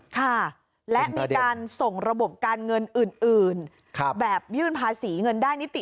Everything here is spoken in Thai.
ค่ะและมีการส่งระบบการเงินอื่นแบบยื่นภาษีเงินได้นิติ